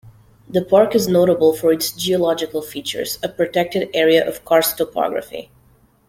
The park is notable for its geological features, a protected area of karst topography.